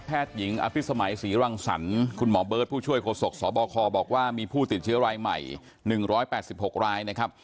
หญิงอภิษมัยศรีรังสรรค์คุณหมอเบิร์ตผู้ช่วยโฆษกสบคบอกว่ามีผู้ติดเชื้อรายใหม่๑๘๖รายนะครับ